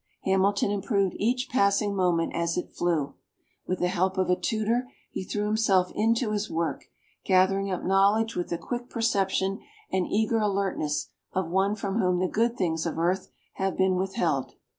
Hamilton improved each passing moment as it flew; with the help of a tutor he threw himself into his work, gathering up knowledge with the quick perception and eager alertness of one from whom the good things of earth have been withheld.